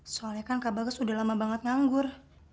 soalnya kan kak bagus udah lama banget nganggur